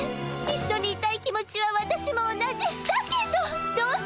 一緒にいたい気持ちは私も同じ。だけどっ！